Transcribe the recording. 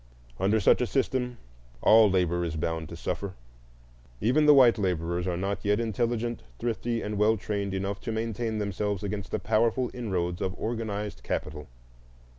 Under such a system all labor is bound to suffer. Even the white laborers are not yet intelligent, thrifty, and well trained enough to maintain themselves against the powerful inroads of organized capital.